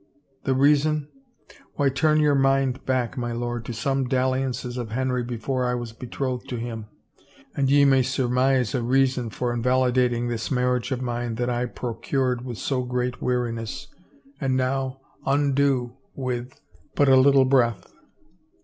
... The reason? Why, turn your mind back, my lord, to some dalliances of Henry before I was betrothed to him, and ye may sur mise a reason for invalidating this marriage of mine that I procured with so great weariness and now undo with 368 THE NUMBERED HOURS but a little breath.